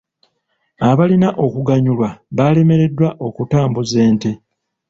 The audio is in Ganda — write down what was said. Abalina okuganyulwa baalemereddwa okutambuza ente.